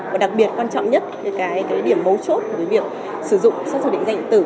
và đặc biệt quan trọng nhất cái điểm mấu chốt với việc sử dụng xác thực định danh tử